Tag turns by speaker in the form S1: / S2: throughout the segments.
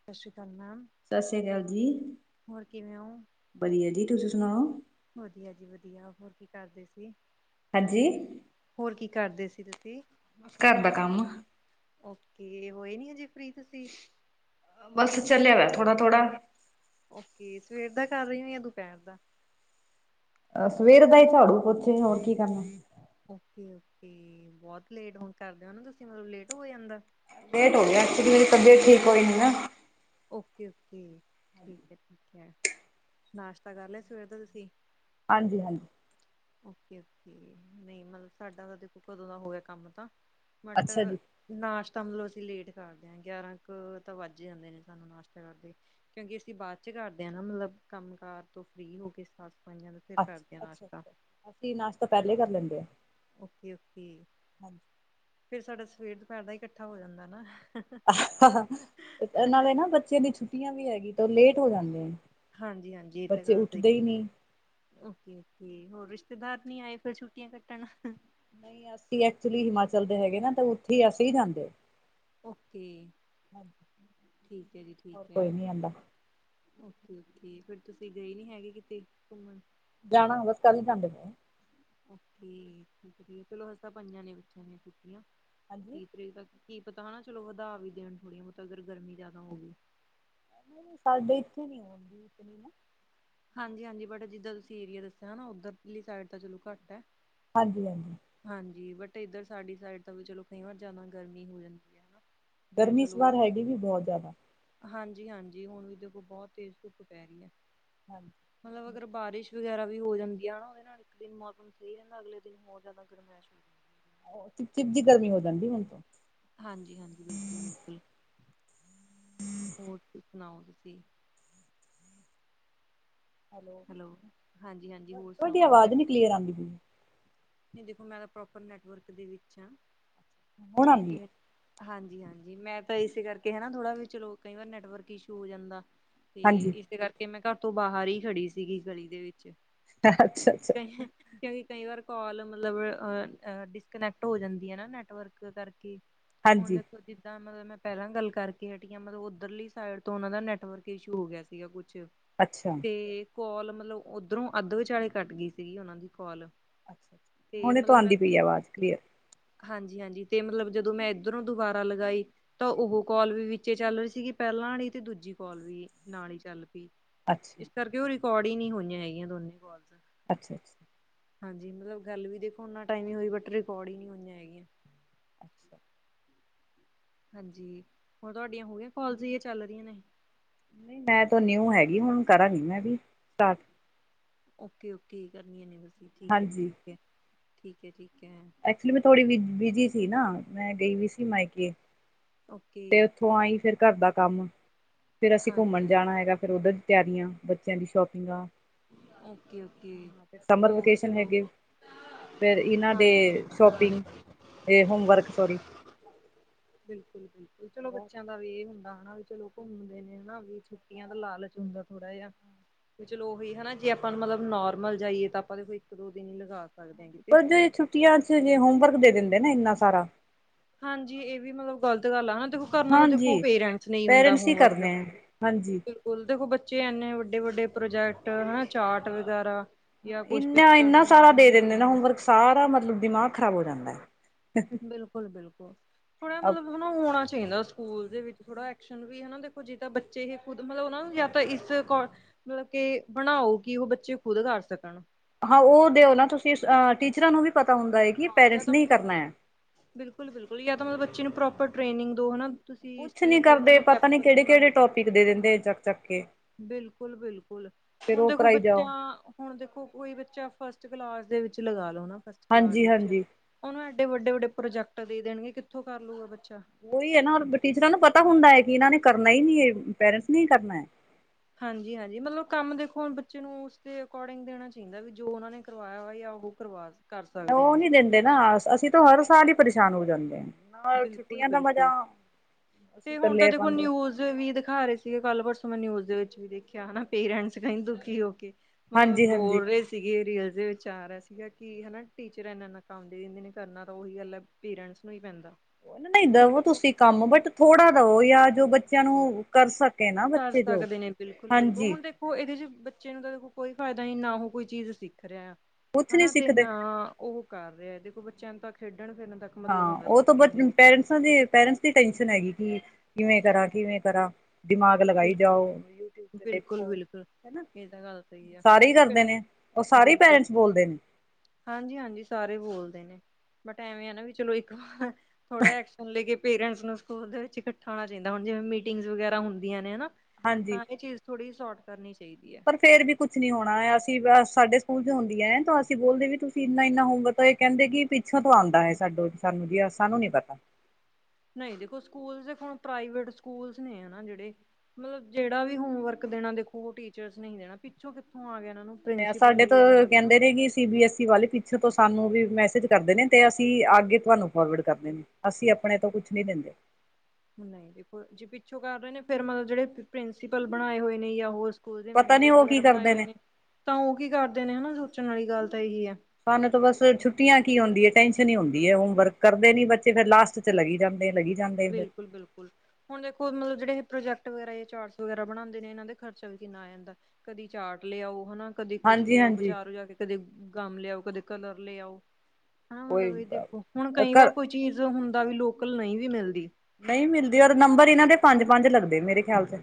S1: ਸਤਿ ਸ਼੍ਰੀ ਅਕਾਲ ਮੈਮ।
S2: ਸਤਿ ਸ਼੍ਰੀ ਅਕਾਲ ਜੀ,
S1: ਹੋਰ ਕਿਵੇਂ ਹੋ
S2: ਵਧੀਆ ਜੀ ਤੁਸੀਂ ਸੁਣਾਓ?
S1: ਵਧੀਆ ਜੀ, ਵਧੀਆ ਹੋਰ ਕੀ ਕਰਦੇ ਸੀ?
S2: ਹਾਂਜੀ
S1: ਹੋਰ ਕੀ ਕਰਦੇ ਸੀ ਤੁਸੀਂ?
S2: ਘਰ ਦਾ ਕੰਮ
S1: ਓਕੇ, ਹੋਏ ਨੀ ਅਜੇ? ਫਰੀ ਤੁਸੀਂ
S2: ਬਸ ਚੱਲਿਆ ਵੈ ਥੋੜਾ ਥੋੜਾ
S1: ਓਕੇ ਸਵੇਰ ਦਾ ਕਰ ਰਹੀ ਹੋ ਜਾਂ ਦੁਪਹਿਰ ਦਾ
S2: ਹ ਸਵੇਰ ਦਾ ਹੀ ਝਾੜੂ ਪੋਚੇ ਹੋਰ ਕੀ ਕਰਨਾ।
S1: ਓਕੇ ਓਕੇ ਬਹੁਤ ਲੇਟ ਹੁਣ ਕਰਦੇ ਹੋ ਨਾ ਤੁਸੀਂ ਮਤਲਬ ਲੇਟ ਹੋ ਜਾਂਦਾ।
S2: ਲੇਟ ਹੋ ਗਿਆ ਐਕਚੁਅਲੀ ਮੇਰੀ ਤਬੀਅਤ ਠੀਕ ਹੋਈ ਨਹੀ ਨਾ।
S1: ਓਕੇ ਓਕੇ, ਠੀਕ ਹੈ ਠੀਕ ਹੈ, ਨਾਸ਼ਤਾ ਕਰ ਲਿਆ ਸਵੇਰ ਦਾ ਤੁਸੀਂ?
S2: ਹਾਂਜੀ, ਹਾਂਜੀ।
S1: ਓਕੇ ਓਕੇ ਨਹੀਂ ਮਤਲਬ ਸਾਡਾ ਤਾਂ ਦੇਖੋ ਕਦੋਂ ਦਾ ਹੋਇਆ ਕੰਮ ਤਾਂ ਬਟ
S2: ਅੱਛਾ ਜੀ
S1: ਨਾਸ਼ਤਾ ਮਤਲਬ ਅਸੀਂ ਲੇਟ ਕਰਦੇ ਹਾਂ ਗਿਆਰਾਂ ਕੁ ਤਾਂ ਵੱਜ ਈ ਜਾਂਦੇ ਨੇ। ਨਾਸ਼ਤਾ ਕਰਦੇ ਕਿਉਂਕਿ ਅਸੀਂ ਬਾਅਦ ਚ ਕਰਦੇ ਹਾਂ ਨਾ ਮਤਲਬ ਕੰਮ ਕਾਰ ਤੋਂ ਫਰੀ ਹੋ ਕੇ ਮਈਆਂ ਤੇ ਫਿਰ
S2: ਅੱਛਾ
S1: ਕਰਦੇਆਂ
S2: ਅੱਛਾ
S1: ਨਾਸ਼ਤਾ
S2: ਅੱਛਾ ਅਸੀਂ ਨਾਸ਼ਤਾ ਪਹਿਲੇ ਹੀ ਕਰ ਲੈਂਦੇ ਹਾਂ
S1: ਓਕੇ ਓਕੇ ਫਿਰ ਸਾਡਾ ਸਵੇਰ ਦੁਪਹਿਰ ਦਾ ਹੀ ਇਕੱਠਾ ਹੋ ਜਾਂਦਾ ਨਾ
S2: ਨਾਲੇ ਨਾ ਬੱਚੇ ਦੀ ਛੁੱਟੀਆਂ ਵੀ ਹੈਗੀ ਤਾਂ ਉਹ ਲੇਟ ਹੋ ਜਾਂਦੇ ਨੇ
S1: ਹਾਂਜੀ ਹਾਂਜੀ ਇਹ ਤਾਂ
S2: ਬੱਚੇ
S1: ਗੱਲ
S2: ਉੱਠਦੇ
S1: ਸਹੀ
S2: ਹੀ ਨਹੀਂ
S1: ਓਕੇ ਓਕੇ ਹੋਰ ਰਿਸ਼ਤੇਦਾਰ ਨੀ ਆਏ ਫਿਰ ਛੁੱਟੀਆਂ ਕੱਟਣ
S2: ਨਹੀਂ ਅਸੀਂ ਐਕਚੁਲੀ ਹਿਮਾਚਲ ਦੇ ਹੈਗੇ ਨਾ ਤਾਂ ਉੱਥੇ ਹੀ ਅਸੀਂ ਜਾਂਦੇ
S1: ਓਕੇ
S2: ਹਾਂਜੀ
S1: ਠੀਕ ਹੈ ਜੀ
S2: ਹੋਰ
S1: ਠੀਕ
S2: ਕੋਈ
S1: ਹੈ
S2: ਨੀ ਆਂਦਾ
S1: ਓਕੇ ਓਕੇ ਫਿਰ ਤੁਸੀਂ ਗਏ ਨੀ ਹੈਗੇ ਕਿਤੇ ਘੁੰਮਣ
S2: ਜਾਣਾ ਹੋਗਾ ਚੱਲ ਹੀ ਜਾਂਦੇ
S1: ਓਕੇ ਠੀਕ ਹੈ ਠੀਕ ਹੈ ਚਲੋ ਹੱਸ ਤ ਤਾਂ ਪੰਜਾਂ ਨੇ ਵਿੱਚਿਆਂ ਨੇ ਕੀਤੀਆਂ
S2: ਹਾਂਜੀ
S1: ਤੀਹ ਤਰੀਕ ਤੱਕ [unintelligible] ਕੀ ਪਤਾ ਹਨਾ ਚਲੋ ਵਧਾ ਵੀ ਦੇਣ ਥੋੜ੍ਹੀਆਂ ਬਹੁਤ ਅਗਰ ਗਰਮੀ ਜ਼ਿਆਦਾ ਹੋਵੇ
S2: ਨਹੀਂ ਸਾਡੇ ਇੱਥੇ ਨੀ ਹੁੰਦੀ
S1: ਹਾਂਜੀ ਹਾਂਜੀ ਬਟ ਜਿੱਦਾਂ ਤੁਸੀਂ ਏਰੀਆ ਦੱਸਿਆ ਨਾ ਉੱਧਰ ਸਾਈਡ ਤਾਂ ਚਲੋ ਘੱਟ ਹੈ
S2: ਹਾਂਜੀ ਹਾਂਜੀ
S1: ਹਾਂਜੀ ਬਟ ਇੱਧਰ ਸਾਡੀ ਸਾਈਡ ਤਾਂ ਵੀ ਚਲੋ ਕਈ ਵਾਰ ਜਿਆਦਾ ਗਰਮੀ ਹੋ ਜਾਂਦੀ ਹੈ ਹਨਾ ਫੇਰ
S2: ਗਰਮੀ ਇਸ
S1: ਚਲੋ
S2: ਵਾਰ ਹੈਗੀ ਵੀ ਬਹੁਤ ਜ਼ਿਆਦਾ
S1: ਹਾਂਜੀ ਹਾਂਜੀ ਹੁਣ ਵੀ ਦੇਖਲ ਬਹੁਤ ਤੇਜ਼ ਧੁੱਪ ਪੈ ਰਹੀ ਹੈ
S2: ਹਾਂਜੀ
S1: ਮਤਲਬ ਅਗਰ ਬਾਰਿਸ਼ ਵਗੈਰਾ ਵੀ ਹੋ ਜਾਂਦੀ ਹੈ ਨਾ ਉਹਦੇ ਨਾਲ ਇੱਕ ਦਿਨ ਮੌਸਮ ਸਹੀ ਰਹਿੰਦਾ ਅਗਲੇ ਦਿਨ ਹੋਰ ਜ਼ਿਆਦਾ ਗਰਮੈਸ਼ੁੰ
S2: ਚਿਪ ਚਿਪੀ ਜੀ ਗਰਮੀ ਹੋ ਜਾਂਦੀ ਹੁਣ ਤੋਂ
S1: ਹਾਂਜੀ ਹਾਂਜੀ ਬਿਲਕੁਲ ਬਿਲਕੁਲ ਹੋਰ ਤੁਸ ਸੁਣਾਓ ਠੀਕ ਹੈਲੋ ਹਾਂਜੀ ਹਾਂਜੀ ਹੋਰ ਸੁਣਾਓ
S2: ਤੁਹਾਡੀ
S1: ਮੈਂ ਕਿਹਾ
S2: ਆਵਾਜ਼ ਨੀ ਕਲੀਅਰ ਆਦੀ ਪੀ
S1: ਨਹੀਂ ਦੇਖੋ ਮੈਂ ਤਾਂ ਪ੍ਰੋਪਰ ਨੈਟਵਰਕ ਦੇ ਵਿੱਚ ਹਾਂ
S2: ਹੁਣ ਆਉਂਦੀ ਹੈ
S1: ਹਾਂਜੀ ਹਾਂਜੀ ਮੈਂ ਤਾਂ ਇਸੇ ਕਰਕੇ ਹਨਾ ਥੋੜਾ ਵੀ ਚਲੋ ਕਈ ਵਾਰ ਨੈਟਵਰਕ ਇਸ਼ੂ ਹੋ ਜਾਂਦਾ ਤੇ
S2: ਹਾਂਜੀ
S1: ਇਸਦੇ ਕਰਕੇ ਮੈਂ ਘਰ ਤੋਂ ਬਾਹਰ ਹੀ ਖੜੀ ਸੀਗੀ ਗਲੀ ਦੇ ਵਿੱਚ
S2: ਅੱਛਾ ਅੱਛਾ
S1: ਕ ਕਿਉਂਕਿ ਕਈ ਵਾਰ ਕਾਲ ਮਤਲਬ ਡਿਸਕਨੈਕਟ ਹੋ ਜਾਂਦੀ ਆ ਨਾ ਨੈਟਵਰਕ ਕਰਕੇ ਫੋਨ
S2: ਹਾਂਜੀ
S1: ਲੈਖੋ [unintelligible] ਜਦਾਂ ਮਤਲਬ ਮੈਂ ਪਹਿਲਾਂ ਗੱਲ ਕਰਕੇ ਹਟੀਆਂ ਮਤਲਬ ਉੱਧਰਲੀ ਸਾਈਡ ਤੋਂ ਉਹਨਾਂ ਦਾ ਨੈਟਵਰਕ ਇਸ਼ੂ ਹੋ ਗਿਆ ਸੀਗਾ ਕੁਛ।
S2: ਅੱਛਾ
S1: ਤੇ ਕੋਲ ਮਤਲਬ ਉੱਧਰੋਂ ਅੱਧ ਵਿਚਾਲੇ ਕੱਟ ਗਈ ਸੀਗੀ ਉਹਨਾਂ ਦੀ ਕੋਲ
S2: ਅੱਛਾ ਅੱਛਾ [unintelligible]
S1: ਤੇ ਮਤਲਬ ਮੈਂ ਹਾਂਜੀ ਹਾਂਜੀ ਤੇ ਮਤਲਬ ਜਦੋਂ ਮੈਂ ਇੱਧਰੋਂ ਦੁਬਾਰਾ ਲਗਾਈ ਤਾਂ ਉਹ ਕੋਲ ਵੀ ਵਿੱਚ ਚੱਲ ਰਹੀ ਸੀਗੀ ਪਹਿਲਾਂ ਤੇ ਦੂਜੀ ਕੋਲ ਵੀ ਨਾਲ ਹੀ ਚੱਲ ਪਈ
S2: ਅੱਛਾ
S1: ਇਸ ਕਰਕੇ ਉਹ ਰਿਕਾਰਡ ਹੀ ਨਹੀਂ ਹੋਈਆਂ ਹੈਗੀਆਂ ਦੋਨੇ ਕੋਲਸ
S2: ਅੱਛਾ ਅੱਛਾ
S1: ਹਾਂਜੀ ਮਤਲਬ ਗੱਲ ਵੀ ਦੇਖੋ ਨਾ ਟਾਈਮ ਹੀ ਹੋਈ ਬਟ ਰਿਕਾਰਡ ਹੀ ਨਹੀਂ ਹੋਈਆਂ ਹੈਗੀਆਂ
S2: ਅੱਛਾ [unintelligible]
S1: ਹਾਂਜੀ ਹੁਣ ਤੁਹਾਡੀਆਂ ਹੋਗੀਆਂ ਕੋਲਸ ਇਹ ਚੱਲ ਰਹੀਆਂ ਨੇ
S2: ਨਹੀਂ ਮੈਂ ਤ ਨਿਊ ਹੈਗੀ ਹੁਣ ਕਰਾਂਗੀ ਮੈਂ ਵੀ ਸਟਾਰਟ
S1: ਓਕੇ ਓਕੇ ਕਰਨੀਆਂ ਨੇ ਬਸੀਂ ਠੀਕ ਹੈ ਜੀ
S2: ਹਾਂਜੀ
S1: ਠੀਕ ਹੈ ਠੀਕ ਹੈ ਠੀਕ ਹੈ।
S2: ਐਕਚੁਲੀ ਮੈਂ ਥੋੜ੍ਹੀ ਵਿ ਬੀਜੀ ਸੀ ਨਾ ਮੈਂ ਗਈ ਵੀ ਸੀ ਮਾਈਕੇ
S1: ਓਕੇ।
S2: ਉੱਥੋਂ ਆਈ ਫਿਰ ਘਰ ਦਾ ਕੰਮ ਫੇਰ ਅਸੀਂ ਘੁੰਮਣ
S1: ਹਾਂਜੀ-ਹਾਂਜੀ
S2: ਜਾਣਾ ਹੈਗਾ ਫਰ ਉਧਰ। ਤਿਆਰੀਆਂ ਬੱਚਿਆਂ ਦੀ ਸ਼ੋਪਿੰਗ ਆ।
S1: ਓਕੇ-ਓਕੇ
S2: ਹਾਂ ਤੇ ਸਮਰ
S1: ਹੋਰ
S2: ਵੇਕੇਸ਼ਨ
S1: ਚਲੋ
S2: ਹੈਗੇ। ਫ ਇਹਨਾਂ ਦੇ
S1: ਹਾਂਜੀ।
S2: ਸ਼ੋਪਿੰਗ ਤੇ ਹੋਮ ਵਰਕ ਸੋਰੀ।
S1: ਬਿਲਕੁਲ ਬਿਲਕੁਲ ਚਲੋ ਬੱਚਿਆਂ। ਵੀ ਇਹ ਹੁੰਦਾ ਹਨਾ ਵੀ ਚਲੋ ਘੁੰਮਦੇ ਨੇ ਹਨ ਨਾ ਵੀ ਛੁੱਟੀਆਂ ਦਾ ਲਾਲਚ ਹੁੰਦਾ ਥੋੜਾ ਜਿਹਾ। ਚਲੋ ਉਹੀ ਹਨਾ ਜੇ ਆਪਾਂ ਮਤਲਬ ਨੋਰਮਲ ਜਾਈਏ ਤਾਂ ਆਪਾਂ ਇੱਕ ਦੋ ਦਿਨ ਹੀ ਲਗਾ। ਸਕਦੇ ਹਾਂ ਕਿਤੇ
S2: ਪਰ ਜ ਛੁੱਟੀਆਂ ਚੇ ਹੋਮਵਰਕ ਦੇ ਦਿੰਦੇ ਨਾ ਇੰਨਾ ਸਾਰਾ।
S1: ਹਾਂਜੀ ਇਹ ਵੀ ਮਤਲਬ ਗ਼ਲਤ ਗੱਲ ਆ ਨਾ। ਖ ਕਰਨਾ ਦਾ ਦੇਖੋ
S2: ਹਾਂਜੀ
S1: ਪੇਰੈਂਟਸ ਨਹੀਂ ਹੁੰਦਾ
S2: ਪੇਰੈਂਟਸ ਹੀ ਕਰਦੇ
S1: ਹੋਮਵਰਕ।
S2: ਹੈ ਹਾਂਜੀ
S1: ਸਕੂਲ ਦੇਖੋ ਬੱਚੇ ਇੰਨੇ ਵੱਡੇ ਵੱਡੇ ਪ੍ਰੋਜੈਕਟ ਹਨਾ ਚਾਰਟ ਵਗੈਰਾ। ਜਾਂ ਕੁਛ
S2: ਇੰਨਾ
S1: ਪਿਕਚਰਸ
S2: ਇੰਨਾ ਸਾਰਾ ਦੇ
S1: ਬਣਾਉਣੀਆਂ
S2: ਦਿੰਦੇ ਨਾ
S1: ਦੇਣੀਆਂ
S2: ਹੋਮਵਰਕ ਸਾਰਾ ਮਤਲਬ ਦਿਮਾਗ ਖ਼ਰਾਬ ਹੋ ਜਾਂਦਾ।
S1: ਬਿਲਕੁਲ ਬਿਲਕੁਲ ਥੋੜਾ
S2: ਹੈ
S1: ਮਤਲਬ ਹੋਣਾ ਚਾਹੀਦਾ ਸਕੂਲ ਦੇ ਵਿੱਚ ਥੋੜਾ ਐਕਸ਼ਨ। ਵੀ ਹਨਾ ਦੇਖੋ ਜਿੱਦਾਂ ਬੱਚੇ ਹੀ ਖੁਦ ਮਤਲਬ ਉਹਨਾਂ ਨੂੰ ਜਾਂ ਤਾਂ ਇਸ। ਮਤਲਬ ਕੇ ਬਣਾਓ ਕਿ ਉਹ ਬੱਚੇ ਖੁਦ ਕਰ ਸਕਣ।
S2: ਹਾਂ, ਉਹ ਦਿਓ ਨਾ ਤੁਸੀਂ
S1: ਹਨਾ।
S2: ਅਹ ਟੀਚਰਾਂ ਨੂੰ ਵੀ ਪਤਾ ਹੁੰਦਾ ਏ।
S1: ਹਾਂ, ਯਾ ਤਾਂ ਮਤਲਬ ਬਿਲਕੁਲ ਬਿਲਕੁਲ ਯਾ ਤਾਂ ਮਤਲਬ ਬੱਚੇ ਨੂੰ ਪ੍ਰੋਪਰ ਟ੍ਰੇਨਿੰਗ ਦੋ ਹਨਾ। ਤੁਸੀਂ ਇਸ ਚੀਜ਼ ਦੇ ਓਨਾਂ ਨੂੰ ਕੈਪੀਬਲ ਬਣਾਓ।
S2: ਭਿੱਖ ਦੇ ਦੇੰਦੇ ਚੱਕ-ਚੱਕ ਕੇ।
S1: ਬਿਲਕੁਲ ਬਿਲਕੁਲ,
S2: ਫਿਰ
S1: ਹੁਣ
S2: ਉਹ
S1: ਦੇਖੋ
S2: ਕਰਾਈ ਜਾਓ
S1: ਬੱਚਾ। ਹੁਣ ਦੇਖੋ ਕੋਈ ਬੱਚਾ ਫਸਟ ਕਲਾਸ ਦੇ ਵਿੱਚ ਲਗਾ ਲੋ ਨਾ ਫਸਟ ਕਲਾਸ
S2: ਹਾਂਜੀ
S1: ਦੇ ਵਿੱਚ।
S2: ਹਾਂਜੀ
S1: ਔਨੂੰ ਐਡੇ ਵੱਡੇ-ਵੱਡੇ ਪ੍ਰੋਜੈਕਟ ਦੇ ਦੇਣਗੇ। ਕਿੱਥੋਂ ਕਰ ਲੂਗਾ ਬੱਚਾ।
S2: ਵੁਹੀ ਐ ਨਾ ਟੀਚਰਾਂ ਨੂੰ ਪਤਾ ਹੁੰਦਾ ਏ ਕਿ ਇਨਾਂ ਨੇ ਕਰਨਾ ਹੀ ਨੀ ਏ ਪੈਰਂਟਸ ਨੇ ਹੀ ਕਰਨੈ।
S1: ਹਾਂਜੀ ਹਾਂਜੀ, ਮਤਲਬ ਕੰਮ ਦੇਖੋ ਹੁਣ ਬੱਚੇ ਨੂੰ ਉਸਦੇ ਅਕੋਰਡਿੰਗ ਦੇਣਾ ਚਾਹੀਦੈਂ ਵਈ ਜੋ ਓਨਾਂ ਨੇ। ਕਰਵਾਯਾ ਹੋਯਾ ਯਾ ਓਹ ਕਰਵਾ ਕਰ ਸਕਦੇ ਨੇ।
S2: ਦੇਨਾ ਆਸ ਅਸੀਂ ਤਾਂ ਹਰ ਸਾਲ ਹੀ ਪਰੇਸ਼ਾਨ ਹੋ ਜਾਂਦੇ ਆ।
S1: ਬਿਲਕੁਲ-ਬਿਲਕੁਲ,
S2: ਅਸੀਂ
S1: ਤੇ ਹੁਣ ਤਾਂ
S2: ਇਕੱਲੇ
S1: ਦੇਖੋ
S2: ਪਾਉਂਦੇ
S1: ਨਿਊਜ਼। ਤੇ ਵੀ ਦਿਖਾ ਰੇ ਸੀਗੇ ਕੱਲ੍ਹ ਪਰਸੋਂ ਮੈਂ ਨਿਊਜ਼ ਦੇ ਵਿੱਚ ਵੀ ਦੇਖਿਆ ਹਨਾ ਪੇਰੈਂਟਸ ਕਈ ਦੁਖੀ ਹੋ ਕੇ। ਮਤਲਬ
S2: ਹਾਂਜੀ ਹਾਂਜੀ
S1: ਬੋਲ ਰੇ। ਤੀਗੇ ਰੀਲਸ ਦੇ ਵਿਚ ਆ ਰਿਆ ਸੀਗਾ ਕਿ ਹਨਾ ਟੀਚਰ ਐਨਾ ਐਨਾ ਕੰਮ ਦੇ ਦੇੰਦੇ ਨੇ ਕਰਨਾ ਤਾਂ ਓਹੀ ਗੱਲ ਐ। ਪੇਰੈਂਟਸ ਨੂੰ ਹੀ ਪੈਂਦਾ।
S2: ਨਹੀਂ
S1: ਤੇ ਫਿਰ
S2: ਦਵੋ
S1: ਦੇਖੋ
S2: ਤੁਸੀਂ ਕੰਮ ਬਟ ਥੋੜਾ ਦਵੋ ਯਾ ਜੋ ਬੱਚਿਆਂ ਨੂੰ। ਕਰ ਸਕੇ ਨਾ ਬੱਚੇ ਜੋ ਹਾਂਜੀ।
S1: ਹੋ ਏਦੇ ਚ ਬੱਚੇ ਨੂੰ ਤਾਂ ਦੇਖੋ ਕੋਈ ਫ਼ਾਇਦਾ ਨੀ ਨਾ ਓਹ ਕੋਈ ਚੀਜ਼ ਸਿੱਖ ਰਿਹਾ ਆ
S2: ਕੁਛ ਨੀ
S1: ਹਨਾ ਤੇ
S2: ਸਿੱਖਦੇ
S1: ਨਾ। ਓਹ ਕਰ ਰਿਐ। ਦੇਖੋ ਬੱਚਿਆਂ ਨੂੰ ਤਾਂ ਖੇਡਣ ਫਿਰਨ ਦਾ।
S2: ਹਾਂ, ਓਹ ਬੱਚ ਪੈਰਂਟਸਾ ਦੇ ਪੈਰੈਂਟਸ ਦੀ ਟੈਨਸ਼ਨ ਹੈਗੀ ਕਿ ਕਿਵੇਂ ਕਰਾਂ ਕਿਵੇਂ ਕਰਾਂ। ਦਿਮਾਗ ਲਗਾਈ ਜਾਓ।
S1: ਬਿਲਕੁਲ-ਬਿਲਕੁਲ।
S2: ਹੈਨਾ, ਸਾਰੇ ਹੀ ਕਰਦੇ ਨੇ ਓਹ ਸਾਰੇ ਹੀ
S1: ਬਿਲਕੁਲ
S2: ਪੈਰੈਂਟਸ ਬੋਲਦੇ ਨੇ।
S1: ਹਾਂਜੀ ਹਾਂਜੀ, ਸਾਰੇ ਬੋਲਦੇ ਨੇ ਬਟ ਐਵੇਂ ਆ ਨਾ ਵੀ ਚਲੋ ਇੱਕ ਵਾਰ। ਥੋੜਾ ਐਕਸ਼ਨ ਲੇ ਕੇ ਪੇਰੈਂਟਸ ਨੂੰ ਸਕੂਲ ਦੇ ਵਿੱਚ ਇਕੱਠਾ ਹੋਣਾ ਚਾਈਦਾ, ਹੁਣ ਜਿਵੇਂ ਮੀਟਿੰਗ ਵਗੈਰਾ ਹੁੰ। ਦੀਆਂ ਨੇ ਹਨਾ
S2: ਹਾਂਜੀ
S1: ਤਾਂ ਏਹ ਚੀਜ਼ ਥੋੜੀ ਸੋਰਟ ਕਰਨੀ ਚਾਹੀਦੀ ਐ।
S2: ਫ਼ੇਰ ਵੀ ਕੁਛ ਨੀ ਹੋਣਾ ਅਸੀਂ ਅ ਸਾਡੇ ਸਕੂਲ ਚ ਹੁੰਦੀਐ ਤਾਂ ਅਸੀ ਬੋਲਦੇ ਵੀ ਤੁਸੀਂ ਇੰਨਾ ਇੰਨਾ ਹੋਮਵਰਕ। ਤਾ ਏ ਕੈੰਦੇ ਕਿ ਪਿੱਛੋਂ ਤੋਂ ਆੰਦਾ ਹੈ ਸਾਡੋ ਸਾਨੂੰ ਜਿਆ ਸਾਨੂੰ ਨੀ ਪਤਾ।
S1: ਨਹੀਂ ਦੇਖੋ ਸਕੂਲ ਦੇ ਹੁਣ ਪ੍ਰਾਈਵੇਟ ਸਕੂਲਸ ਨੇ ਨਾ ਜੇੜੇ ਮਤਲਬ ਜੇੜਾ ਵੀ ਹੋਮਵਰਕ ਦੇਣਾ ਦੇਖੋ ਓਹ ਟੀਚਰਸ ਨੇ ਹੀਂ ਦੇਣਾ ਪਿੱਛੋਂ ਕਿੱਥੋਂ ਆ ਗਿਆ ਇਹਨਾ ਨੂੰ। ਪ੍ਰਿੰਸੀਪਲ
S2: ਸਾਡੇ ਤੋਂ
S1: ਲਈ ਗੱਲ ਕਰ ਲਓ ਨਾ
S2: ਕੈੰਦੇ ਨੇ ਕਿ ਸੀ ਬੀ ਐਸ ਈ ਵਾਲੇ ਪਿੱਛੋਂ ਤੋਂ ਸਾਨੂੰ ਵੀ ਮੈਸੇਜ ਕਰਦੇ ਨੇ ਤੇ ਅਸੀਂ ਆਗੇ ਤੁਹਾਨੂੰ ਫੋਰਵਰਡ ਕਰ ਦੇਨੇ ਆ। ਅਸੀਂ ਅਪਣੇ ਤੋਂ ਕੁਛ ਨੀ ਦਿੰਦੇ।
S1: ਨਹੀਂ ਦੇਖੋ ਜੀ ਪਿੱਛੋਂ ਕਰ ਰੇ ਨੇ ਫੇਰ ਮਤਲਬ ਜੇੜੇ ਪ੍ਰਿੰਸੀਪਲ ਬਣਾਏ ਹੋਏ ਨੇ ਯਾ ਹੋਰ ਸਕੂਲ ਦੇ
S2: ਪਤਾ ਨੀ
S1: ਮੈਨੇਜਰ
S2: ਉਹ ਕੀ
S1: ਵਗੈਰਾ ਬਣਾਏ
S2: ਕਰਦੇ
S1: ਹੋਏ ਨੇ ਤਾਂ ਓਹ ਕੀ ਕਰਦੇ ਨੇ ਹਨਾ ਸੋਚਣ ਆਲੀ ਗੱਲ ਤਾਂ ਐਹੀ ਐ।
S2: ਸਾਨੂੰ ਤੋਂ ਬਸ ਛੁੱਟੀਆਂ ਕੀ ਹੁੰਦੀ ਏ ਟੈਂਸ਼ਨ ਹੀ ਹੁੰਦੀ ਐ ਹੋਮ ਵਰਕ ਕਰਦੇ ਨੀ ਬੱਚੇ ਫੇਰ ਲਾਸਟ ਚ ਲੱਗੀ ਜਾਂਦੇ ਲਗੀ
S1: ਬਿਲਕੁਲ-ਬਿਲਕੁਲ। ਹੁਣ ਦੇਖੋ ਮਲਬ ਜੇੜੇ ਇਹ ਪ੍ਰੋਜੈਕਟ ਵਗੈਰਾ ਇਹ ਚਾਰਟਸ ਵਗੈਰਾ ਬਣਾਦੇ ਨੇ ਏਨਾਂ ਦੇ ਖ਼ਰਚਾ ਵੀ ਕਿੰਨਾ ਆ ਜਾਂਦਾ। ਕਦੀ ਚਾਟ ਲੇ ਆਓ ਹਨਾ। ਕਦੇ ਕੁਛ ਲੇ
S2: ਹਾਂਜੀ
S1: ਆਓ
S2: ਹਾਂਜੀ
S1: ਬਜ਼ਾਰੋ ਜਾ ਕੇ ਕਦੇ ਗਮ ਲਿ ਆਓ, ਕਦੇ ਕਲਰ ਲੇ ਆਓ। ਹਾ ਮਤਲਬ
S2: ਉਹੀ
S1: ਵੀ ਦੇਖੋ ਹੁਣ ਕਈ ਵਾਰ
S2: ਘਰ
S1: ਕੋਈ ਚੀਜ਼ ਹੁੰਦਾ ਵੀ ਲੋਕਲ ਨਹੀਂ ਵੀ ਮਿਲਦੀ।
S2: ਨਹੀਂ ਮਿਲਦੀ ਔਰ ਨੰਬਰ ਇਨਾਂ ਦੇ ਪੰਜ-ਪੰਜ ਲੱਗਦੇ ਮੇਰੇ ਖਿਆਲ ਚ।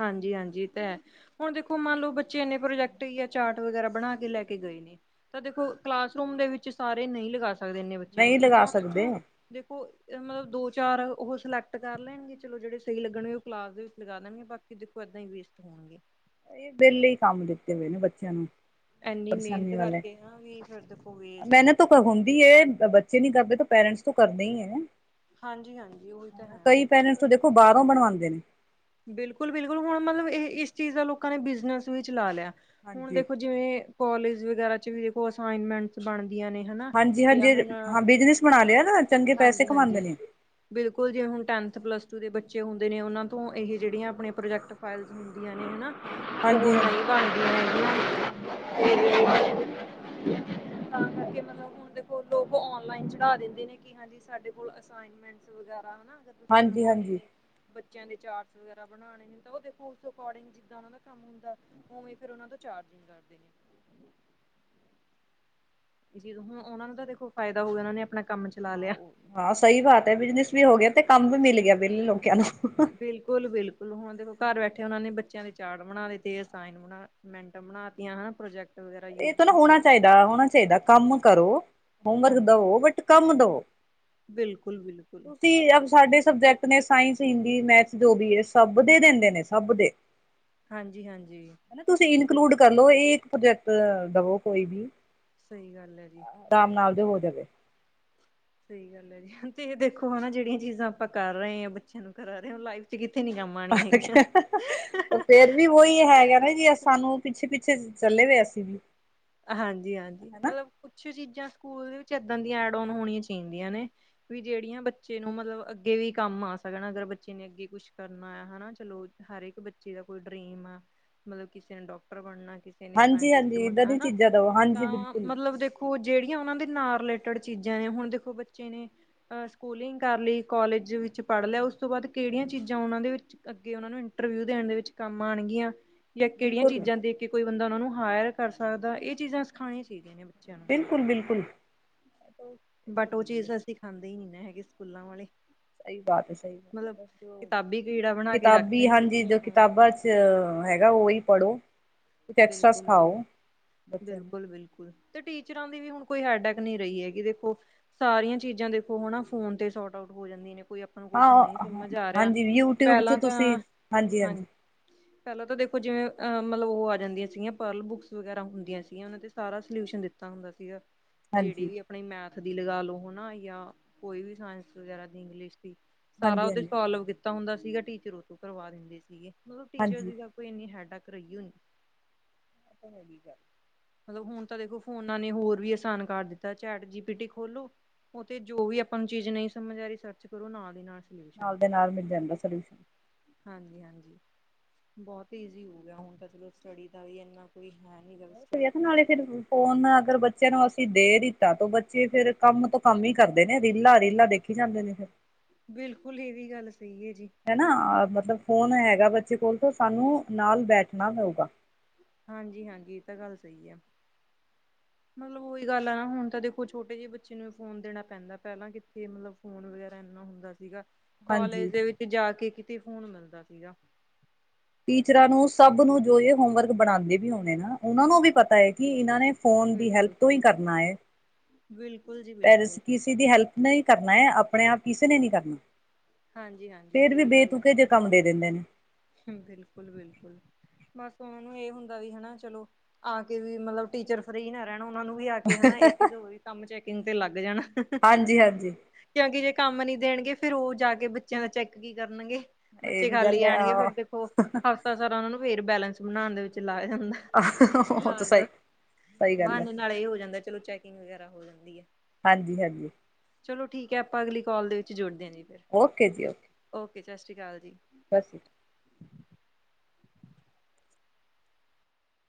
S1: ਹਾਂਜੀ-ਹਾਂਜੀ, ਏ ਤੇ ਹੈ। ਹੁਣ ਦੇਖੋ ਮੰਨ ਲੋ ਬੱਚੇ ਇੰਨੇ ਪ੍ਰੋਜੈਕਟ ਯਾ ਚਾਰਟ ਵਗੈਰਾ ਬਣਾ ਕੇ ਲੈ ਕੇ ਗਏ ਨੇ ਤਾਂ ਦੇਖੋ ਕਲਾਸਰੂਮ ਦੇ ਵਿੱਚ ਸਾਰੇ ਨਹੀਂ ਲਗਾ ਸਕਦੇ ਇਨੇ ਬੱਚੇ
S2: ਨਹੀਂ
S1: ਹੁੰਦੇ
S2: ਲਗਾ
S1: ਤਾਂ ਓਨਾਂ
S2: ਸਕਦੇ
S1: ਚੋ ਦੇਖੋ ਅ ਮਤਲਬ ਦੋ, ਚਾਰ ਓਹ ਸਿਲੈਕਟ ਕਰ ਲੈਣਗੇ ਚਲੋ ਜੇੜੇ ਸਹੀ ਲੱਗਣਗੇ ਓਹ ਕਲਾਸ ਦੇ ਵਿੱਚ ਲਗਾ ਲੈਣਗੇ ਬਾਕੀ ਕਿ ਦੇਖੋ ਏਦਾਂ ਹੀ ਵੇਸਟ ਹੋਣਗੇ।
S2: ਏਹ ਵੇਲੇ ਹੀ ਕੰਮ ਦਿੱਤੇ ਹੋਏ ਨੇ ਬੱਚਿਆਂ ਨੂੰ।
S1: ਇੰਨੀ ਮਿਹਨਤ
S2: ਪਰੇਸ਼ਾਨੀ ਵਾਲੇ
S1: ਕਰਕੇ ਆ ਵੀ ਫਿਰ ਦੇਖੋ ਵੇਸਟ
S2: ਮਿਹਨਤ ਹੁੰਦੀ ਹੈ ਬੱਚੇ ਨੀ ਕਰਦੇ ਤਾਂ ਪੇਰੈਂਟਸ ਤੋ ਕਰਦੇ ਹੀ ਹੈ।
S1: ਹਾਂਜੀ ਹਾਂਜੀ ਉਹੀ ਤਾਂ ਹੈ
S2: ਕਈ ਪੇਰੈਂਟਸ ਤੋਂ ਦੇਖੋ ਬਾਰੋ ਬਣਵਾਉਂਦੇ ਨੇ।
S1: ਬਿਲਕੁਲ-ਬਿਲਕੁਲ ਹੁਣ ਮਤਲਬ ਇਹ ਇਸ ਚੀਜ਼ ਦਾ ਲੋਕਾਂ ਨੇ ਬਿਜਨਸ ਵੀ ਚਲਾ ਲਿਆ ਹੁਣ
S2: ਹਾਂਜੀ
S1: ਦੇਖੋ ਜਿਵੇ ਕੋਲਜ ਵਗੈਰਾ ਚ ਵੀ ਦੇਖੋ ਅਸਾਈਨਮੈਂਟਸ ਬਣਦੀਆ ਨੇ। ਹਨਾ ਜਾਂ
S2: ਹਾਂਜੀ-ਹਾਂਜੀ
S1: ਹੁਣ
S2: ਹਾਂ ਬਿਜਨਸ ਬਣਾ ਲਿਆ ਨਾ ਚੰਗੇ ਪੈਸੇ
S1: ਹਾਂਜੀ
S2: ਕਮਾਂਦੇ
S1: ਹਾਂਜੀ
S2: ਨੇ।
S1: ਬਿਲਕੁਲ ਜੀ ਹੁਣ ਟੈਨਥ, ਪਲੱਸ ਟੂ ਦੇ ਬੱਚੇ ਹੁੰਦੇ ਨੇ ਉਹਨਾ ਤੋਂ ਇਹ ਜਿਹੜੀਆਂ ਆਪਣੇ ਪ੍ਰੋਜੈਕਟ ਫਾਈਲਸ ਹੁੰਦੀਆਂ ਨੇ ਹਨਾ ਉਹ
S2: ਹਾਂਜੀ ਹਾਂਜੀ
S1: [unintelligible] [inaudible] ਤਾਂ ਕਰਕੇ ਮਤਲਬ ਹੁਣ ਦੇਖੋ ਲੋਕ ਓਨਲਾਈਨ ਚੜਾ ਦਿੰਦੇ ਨੇ ਕਿ ਹਾਂਜੀ ਸਾਡੇ ਕੋਲ ਅਸਾਈਨ ਮੈਂਟਸ ਵਗੈਰਾ ਹਨਾ ਅਗਰ ਤੁਸੀਂ
S2: ਹਾਂਜੀ
S1: ਬਣਵਾਉਣੇ
S2: ਹਾਂਜੀ
S1: ਨੇ ਬੱਚਿਆਂ ਦੇ ਚਾਰਟ ਵਗੈਰਾ ਬਣਾਣੇ ਨੇ ਤਾਂ ਉਹਦੇ ਅਕੋਡਿੰਗ ਜਿੱਦਾਂ ਉਹਨਾਂ ਦਾ ਕੰਮ ਹੁੰਦਾ ਉਵੇ ਫਿਰ ਉਹਨਾ ਤੋਂ ਚਾਰਜ ਕਰਦੇ ਨੇ। ਇਹ ਚੀਜ਼ ਹੁਣ ਉਹਨਾਂ ਨੂੰ ਦਾ ਤਾਂ ਦੇਖੋ ਫਾਇਦਾ ਹੋਊਗਾ ਉਹਨਾਂ ਨੇ ਆਪਣਾ ਕੰਮ ਚਲਾ
S2: ਹਾਂ
S1: ਲਿਆ।
S2: ਹਾਂ ਸਹੀ ਬਾਤ ਹੈ ਬਿਜਨਸ ਵੀ ਹੋ ਗਿਆ ਤੇ ਕੰਮ ਵੀ ਮਿਲ ਗਿਆ ਵਿਹਲੇ ਲੋਕਿਆ ਨੂੰ।
S1: ਬਿਲਕੁਲ-ਬਿਲਕੁਲ ਹੁਣ ਦੇਖੋ ਘਰ ਬੈਠੇ ਉਹਨਾਂ ਨੇ ਬੱਚਿਆਂ ਦੇ ਚਾੜ ਬਣਾ ਦੇ ਤੇ ਅਸਾਈਨ ਬਣਾ ਮੈਂਟਾਂ ਬਣਾ ਤਿਆ ਹਨਾ ਪ੍ਰੋਜੈਕਟ ਵਗੈਰਾ
S2: ਇਹ
S1: ਯੂ
S2: ਤਾਂ ਨਾ ਹੋਣਾ
S1: ਯੂ
S2: ਚਾਹੀਦਾ, ਹੋਣਾ ਚਾਹੀਦਾ ਕੰਮ ਕਰੋ ਹੋਮਵਰਕ
S1: ਹਾਂਜੀ
S2: ਦਵੋ ਬਟ ਕੰਮ ਦਵੋ
S1: ਬਿਲਕੁਲ ਬਿਲਕੁਲ
S2: ਤੁਸੀਂ ਅ ਸਾਡੇ ਸਬਜੈਕਟ ਆਪਣੇ ਸਾਇੰਸ ਹਿੰਦੀ ਮੈਥ ਜੋ ਵੀ ਹੈ ਸਭ ਦੇ ਦਿੰਦੇ ਨੇ ਸਭ ਦੇ।
S1: ਹਾਂਜੀ ਹਾਂਜੀ
S2: ਹਨਾ ਤੁਸੀਂ
S1: ਸਹੀ
S2: ਇਨਕਲੂਡ
S1: ਗੱਲ
S2: ਕਰਲੋ ਇਹ ਇੱਕ ਪ੍ਰੋਜੈਕਟ ਦਵੋ ਕੋਈ ਵੀ।
S1: ਸਹੀ ਗੱਲ ਹੈ ਜੀ।
S2: ਦਾਮ ਨਾਲਦੇ ਹੋ ਜਾਵੇ।
S1: ਸਹੀ ਗੱਲ ਹੈ ਜੀ ਤੇ ਇਹ ਦੇਖੋ ਹਨਾ ਜਿਹੜੀਆਂ ਚੀਜ਼ਾਂ ਆਪਾਂ ਕਰ ਰਹੇ ਹਾਂ ਬੱਚਿਆਂ ਨੂੰ ਕਰਾ ਰਹੇ ਹਾਂ ਲਾਈਫ ਚ ਕਿੱਥੇ ਨੀ ਕੰਮ ਆਉਣੀਆਂ ਹੈਗੀਆਂ।
S2: ਆ ਫੇਰ ਵੀ ਵੋਈ ਹੈਗਾ ਨਾ ਜੀ ਸਾਨੂੰ ਪਿੱਛੇ-ਪਿੱਛੇ ਚਲੇੇ ਵੇ ਅਸ
S1: ਹਾਂਜੀ-ਹਾਂਜੀ ਮਤਲਬ ਕੁਛ ਚੀਜ਼ਾਂ ਸਕੂਲ ਦੇ ਵਿੱਚ ਏਦਾਂ ਦੀਆਂ ਐਡ ਔਨ ਹੋਣੀਆਂ ਚਾਹੀਦੀਆਂ ਨੇ ਵੀ ਜੇੜੀਆਂ ਬੱਚੇ ਨੂੰ ਮਤਲਬ ਅੱਗੇ ਵੀ ਕੰਮ ਆ ਸਕਣ ਅਗਰ ਬੱਚੇ ਨੇ ਅੱਗੇ ਕੁਛ ਕਰਨਾ ਹੈ ਹੈਨਾ ਚਲੋ ਹਰ ਏਕ ਬੱਚੇ ਦਾ ਕੋਈ ਡਰੀਮ ਆ ਮਤਲਬ ਕਿਸੇ ਨੇ ਡਾਕਟਰ ਬਣਨਾ ਕਿਸ
S2: ਹਾਂਜੀ-ਹਾਂਜੀ ਏਦਾਂ ਦੀ
S1: ਤਾਂ
S2: ਚੀਜ਼ਾਂ ਦਵੋ ਹਾਂਜੀ
S1: ਮਤਲਬ
S2: ਬਿਲਕੁਲ।
S1: ਮਤਲਬ ਦੇਖੋ ਜੇੜੀਆਂ ਉਨਾਂ ਦੇ ਨਾਲ ਰਿਲੇਟਿਡ ਚੀਜ਼ਾਂ ਨੇ ਹੁਣ ਦੇਖੋ ਬੱਚੇ ਨੇ- ਸਕੂਲਿੰਗ ਕਰ ਲਈ ਕੋਲਜ ਵਿੱਚ ਪੜ੍ਹ ਲਿਆ ਉਸ ਤੋਂ ਬਾਅਦ ਕਿਹੜੀਆਂ ਚੀਜ਼ਾਂ ਓਨਾਂ ਦੇ ਵਿੱਚ ਅੱਗੇ ਓਨਾਂ ਨੂੰ ਇੰਟਰਵਿਊ ਦੇਣ ਦੇ ਵਿੱਚ ਕੰਮ ਆਣਗੀਆਂ। ਜਾਂ ਕੇੜੀਆਂ ਚੀਜ਼ਾਂ ਦੇਖ ਕੇ ਕੋਈ ਬੰਦਾ ਓਨਾਂ ਨੂੰ ਹਾਯਰ ਕਰ ਸਕਦਾ ਏ ਚੀਜ਼ਾਂ ਸਿਖਾਣੀਆਂ ਚਾਹੀਦੀਆਂ ਨੇ ਬੱਚਿਆਂ ਨੂੰ
S2: ਬਿਲਕੁਲ-ਬਿਲਕੁਲ।
S1: ਬਟ ਉਹ ਚੀਜ਼ ਸੀਂਖਾਂਦੇ ਨੀ ਨਾ ਹੈਗੇ ਸਕੂਲਾਂ ਵਾਲੇ
S2: ਸਹੀ ਬਾਤ ਐ ਸਹੀ
S1: ਮਤਲਬ ਕਿਤਾਬੀ ਕੀੜਾ ਬਣਾ ਕੇ ਰੱਖਦੇ
S2: ਕਿਤਾਬੀ
S1: ਨੇ
S2: ਹਾਂਜੀ
S1: ਬੱਚਿਆਂ
S2: ਜੋ
S1: ਨੂੰ
S2: ਕਿਤਾਬਾਂ ਚ ਹੈਗਾ ਓਈ ਪੜੋ-
S1: ਬਿਲਕੁਲ-ਬਿਲਕੁਲ,
S2: ਬੱਚਿਆਂ ਨੂੰ।
S1: ਬਿਲਕੁਲ-ਬਿਲਕੁਲ। ਤੇ ਟੀਚਰਾਂ ਦੀ ਵੀ ਹੁਣ ਕੋਈ ਹੈਡਕ ਨਈ ਰਹੀ ਹੈਗੀ ਦੇਖੋ ਸਾਰੀਆਂ ਚੀਜ਼ਾਂ ਦੇਖੋ ਹਣਾ ਫੋਨ ਤੇ ਸੋਰਟ ਆਉਟ ਹੋ ਜਾਂਦੀਆਂ ਨੇ ਕੋਈ ਆਪ ਨੂੰ ਕੁਛ ਨਹੀਂ
S2: ਹਾਂ,
S1: ਸਮਝ ਆ ਰਿਹਾ
S2: ਹਾਂਜੀ ਯੂਟਿਊਬ ਚ
S1: ਪੈਲਾਂ ਤਾਂ
S2: ਤੁਸੀਂ
S1: ਹਾਂਜੀ ਪੈਲਾਂ ਤਾਂ ਦੇਖੋ ਜਿਵੇਂ ਅਹ ਮਤਲਬ ਉਹ ਆ ਰਹਿੰਦੀਆਂ ਸੀਗੀਆਂ ਪਰਲ ਬੁੱਕਸ ਵਗੈਰਾ ਹੁੰਦੀਆਂ ਸੀਗੀਆਂ ਓਨਾਂ ਤੇ ਸਾਰਾ ਸੋਲਿਊਸ਼ਨ ਦਿੱਤਾ ਹੁੰਦਾ ਸੀਗਾ ਜੇੜੀ
S2: ਹਾਂਜੀ।
S1: ਵੀ ਆਪਣੀ ਮੈਥ ਦੀ ਲਗਾ ਲੋ ਹੈਨ ਨਾ ਯਾਂ ਕੋਈ ਵੀ ਸਾਇੰਸ ਵਗੈਰਾ ਦੀ ਇੰਗਲਿਸ਼ ਦੀ ਸਾਰਾ
S2: ਹਾਂਜੀ,
S1: ਓਥੇ
S2: ਹਾਂਜੀ,
S1: ਸੋਲਵ ਕੀਤਾ ਹੁੰਦਾ ਸੀਗਾ ਟੀਚਰ ਓਥੋਂ ਕਰਵਾ ਦਿੰਦੇ ਸੀਗੇ ਮਤਲਬ
S2: ਹਾਂਜੀ।
S1: ਟੀਚਰ ਕੋਈ ਏਨੀ ਹੈਡਕ ਰਹੀਓ ਹੀ ਨੀ।
S2: ਹੁਣ ਹੋ ਗੀ ਗੱਲ-
S1: ਮਤਲਬ ਹੁਣ ਤਾਂ ਦੇਖੋ ਫੋਨਾਂ ਨੇ ਹੋਰ ਵੀ ਆਸਾਨ ਕਰ ਦਿੱਤਾ ਚੈਟ ਜੀਪੀਟੀ ਖੋਲੋ ਉਹ ਤੇ ਜੋ ਵੀ ਆਪਾਂ ਨੂੰ ਚੀਜ਼ ਨੀ ਸਮਝ ਆ ਰੀ ਸਰਚ ਕਰੋ ਨਾਲ ਦੀ ਨਾਲ
S2: ਨਾਲ ਦੇ ਨਾਲ ਮਿਲ ਜਾਂਦਾ ਸੋਲਊਸ਼ਨ
S1: ਹਾਂਜੀ-ਹਾਂਜੀ ਬੋਹਤ ਹੀ ਈਜ਼ੀ ਹੋ ਗਿਆ ਹੁਣ ਤਾਂ ਚਲੋ ਸਟੱਡੀ ਦਾ ਵੀ ਏਨਾ ਕੋਈ ਹੈ ਨੀ ਗ ਸਟਰੈ
S2: ਨਾਲੇ ਫਿਰ ਫੋਨ ਅਗਰ ਬੱਚਿਆਂ ਨੂੰ ਅਸ ਦੇ ਦੀਤਾ ਤੋਂ ਬੱਚੇ ਫੇਰ ਕੰਮ ਤੋਂ ਕੰਮ ਹੀ ਕਰਦੇ ਨੇ ਰੀਲਾਂ-ਰੀਲਾਂ ਦੇਖੀ ਜਾਂਦੇ ਨੇ ਫਿਰ
S1: ਬਿਲਕੁਲ ਏ ਵੀ ਗੱਲ ਸਹੀ ਐ ਜੀ
S2: ਹਨਾ ਮਤਲਬ ਫੋਨ ਹੈਗਾ ਬੱਚੇ ਕੋਲ ਤੋਂ ਸਾਨੂੰ ਨਾਲ ਬੈਠਣਾ ਪਊਗਾ।
S1: ਹਾਂਜੀ-ਹਾਂਜੀ ਏ ਤਾਂ ਗੱਲ ਸਹੀ ਆ ਮਤਲਬ ਉਹੀ ਗੱਲ ਐ ਨਾ ਹੁਣ ਤਾਂ ਦੇਖੋ ਛੋਟੇ ਜੇ ਬੱਚੇ ਨੂੰ ਫੋਨ ਦੇਣਾ ਪੈਂਦਾ ਪੈਲਾਂ ਕਿੱਥੇ ਮਤਲਬ ਫੋਨ ਵਗੈਰਾ ਏਨਾ ਹੁੰਦਾ ਸੀਗਾ ਕਾਲਜ
S2: ਹਾਂਜੀ,
S1: ਦੇ ਵਿੱਚ ਜਾ ਕੇ ਕਿਤੇ ਫੋਨ ਮਿਲਦਾ ਸੀਗਾ।
S2: ਟੀਚਰਾਂ ਨੂੰ ਸਭ ਨੂੰ ਜੋ ਏ ਹੋਮਵਰਕ ਬਣਾਦੇ ਵੀ ਹੋਣੇ ਨਾ ਓਨਾਂ ਨੂੰ ਵੀ ਪਤਾ ਏ ਕਿ ਏਨਾਂ ਨੇ ਫੋਨ ਦੀ ਹੈਲਪ
S1: ਬਿਲਕੁਲ
S2: ਤੋਂ ਈ ਕਰਨਾ ਏ।
S1: ਬਿਲਕੁਲ ਜੀ।
S2: ਪੈਰਸ
S1: ਬਿਲਕੁਲ
S2: ਕਿਸੇ ਦੀ ਹੈਲਪ ਨਾਲ ਈ ਕਰਨਾ ਏ ਆਪਣੇ ਆਪ ਕਿਸੇ ਨੇ ਨੀ ਕਰਨਾ
S1: ਹਾਂਜੀ ਹਾਂਜੀ
S2: ਫੇਰ ਵੀ ਬੇਤੂਕੇ ਜੇ ਕੰਮ ਦੇ ਦਿੰਦੇ ਨੇ
S1: ਬਿਲਕੁਲ-ਬਿਲਕੁਲ। ਬਸ ਓਨਾ ਨੂੰ ਏ ਹੁੰਦਾ ਵੀ ਹੈਨਾ ਚਲੋ ਆ ਕੇ ਵੀ ਮਤਲਬ ਟੀਚਰ ਫ੍ਰੀ ਨਾ ਰਹਿਣ ਓਨਾ ਨੂੰ ਵੀ ਆ ਕੇ ਹੈਨਾ ਇਹ ਜ਼ਰੂਰੀ ਕੰਮ ਚੈਕਿੰਗ ਤੇ ਲੱਗ ਜਾਣ
S2: ਹਾਂਜੀ-ਹਾਂਜੀ।
S1: ਕਿਉਂਕਿ ਜੇ ਕੰਮ ਨੀ ਦੇਣਗੇ ਫਿਰ ਓ ਜਾ ਕੇ ਬੱਚਿਆਂ ਦਾ ਚੈੱਕ ਕੀ ਕਰਨਗੇ।
S2: ਇਹ
S1: ਬੱਚੇ
S2: ਵੀ ਗੱਲ
S1: ਖਾਲੀ
S2: ਹੈ
S1: ਆਣਗੇ
S2: ਹਾਂ।
S1: ਫਿਰ ਦੇਖੋ ਹਫ਼ਤਾ ਸਾਰਾ ਓ ਨੂੰ ਫੇਰ ਬੈਲੈਂਸ ਬਣਾਂਣ ਦੇ ਵਿੱਚ ਲਾਇਆ ਜਾਂਦਾ।
S2: ਉਹ ਤਾਂ
S1: ਕਲਾਸ
S2: ਸਹੀ,
S1: ਦਾ
S2: ਸਹੀ ਗੱਲ ਹੈ
S1: ਬਾਨੇ ਨਾਲੇ ਹੀ ਹੋ ਜਾਂਦਾ ਚਲੋ ਚੈਕਿੰਗ ਵਗੈਰਾ ਹੋ ਜਾਂਦੀ ਐ।
S2: ਹਾਂਜੀ-ਹਾਂਜੀ
S1: ਚਲੋ ਠੀਕ ਹੈ ਆਪਾਂ ਅਗਲੀ ਕੋਲ ਦੇ ਵਿੱਚ ਜੁੜਦੇ ਹਾਂ ਜੀ ਫਿਰ
S2: ਓਕੇ ਜੀ ਓਕੇ
S1: ਓਕੇ ਸਤਿ ਸ਼੍ਰੀ ਅਕਾਲ ਜੀ।
S2: ਸਤ ਸ਼੍ਰੀਕਾਲ